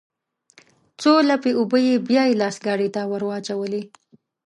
څو لپې اوبه يې بيا لاس ګاډي ته ورواچولې.